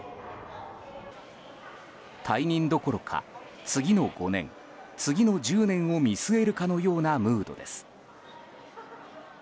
退任どころか次の５年、次の１０年を見据えるかのようなムードです。